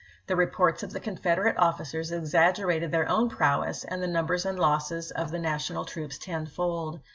The re ports of the Confederate officers exaggerated their own prowess and the numbers and losses of the National troops tenfold.